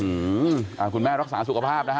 อืมอ่าคุณแม่รักษาสุขภาพนะฮะ